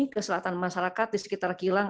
keselatan masyarakat di sekitar kilang